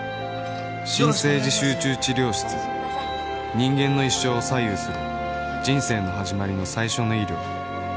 新生児集中治療室人間の一生を左右する人生の始まりの最初の医療